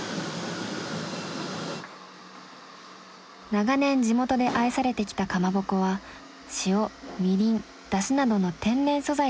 長年地元で愛されてきたかまぼこは塩みりんだしなどの天然素材で作られる。